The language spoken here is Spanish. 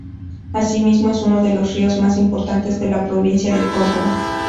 Asimismo, es uno de los ríos más importantes de la provincia de Córdoba.